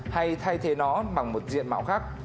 hay thay thế nó bằng một diện mạo khác